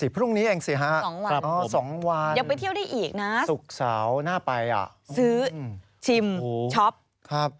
๒๔พรุ่งนี้เองสิฮะอ๋อ๒วันสุขเฉาหน้าไปอ่ะซื้อชิมช็อป